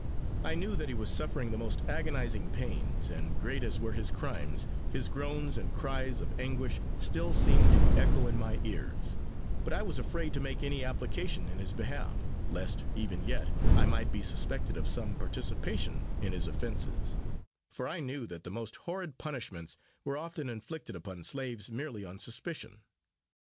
I knew that he was suffering the most agonizing pains, and great as were his crimes, his groans and cries of anguish still seemed to echo in my ears; but I was afraid to make any application in his behalf, lest, even yet, I might be suspected of some participation in his offences; for I knew that the most horrid punishments were often inflicted upon slaves merely on suspicion.